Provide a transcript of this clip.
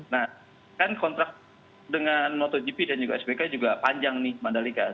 nah kan kontrak dengan motogp dan juga sbk juga panjang nih mandali kai